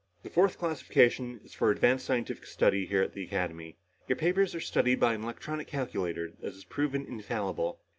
The fourth classification is for advanced scientific study here at the Academy. Your papers are studied by an electronic calculator that has proven infallible.